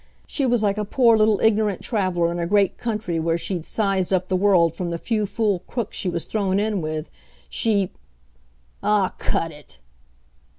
She was like a poor little ignorant traveler in a great country where she'd sized up the world from the few fool crooks she was thrown in with. She " "Aw, cut it!"